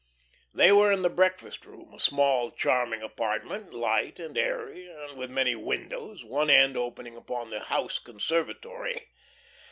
They were in the breakfast room, a small, charming apartment, light and airy, and with many windows, one end opening upon the house conservatory.